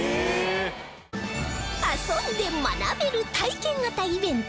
遊んで学べる体験型イベント